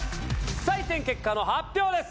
採点結果の発表です！